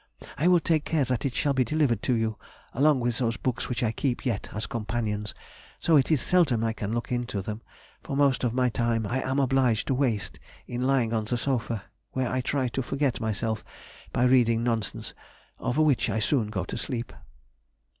I will take care that it shall be delivered to you along with those books which I keep yet as companions, though it is seldom I can look into them, for most of my time I am obliged to waste in lying on the sofa, where I try to forget myself by reading nonsense, over which I soon go to sleep.